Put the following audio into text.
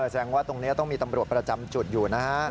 แสดงว่าตรงนี้ต้องมีตำรวจประจำจุดอยู่นะฮะ